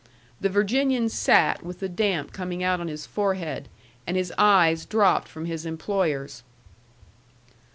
The Virginian sat with the damp coming out on his forehead, and his eyes dropped from his employer's.